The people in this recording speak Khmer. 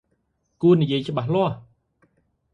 គូរនិយាយច្បាស់លាស់!